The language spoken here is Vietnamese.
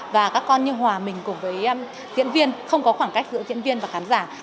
và các con như hòa mình cùng với diễn viên không có khoảng cách giữa diễn viên và khán giả